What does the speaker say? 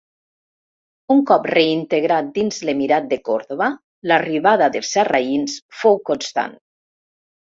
Un cop reintegrat dins l'emirat de Còrdova, l'arribada de sarraïns fou constant.